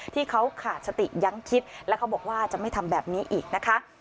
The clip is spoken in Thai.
ที่เขาขาดสติยังคิดและเขาบอกว่าจะไม่ทำแบบนี้อีกนะคะ